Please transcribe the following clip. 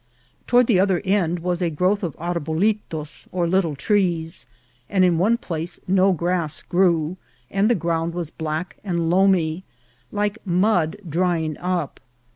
Toward the other end was a growth of arbolitos or little trees, and.in one place no grass grew, and the ground was black and loamy, like mud drying up.